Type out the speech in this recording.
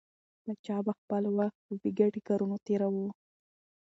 پاچا به خپل وخت په بې ګټې کارونو تېراوه.